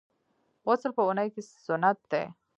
غسل په اونۍ کي سنت دی.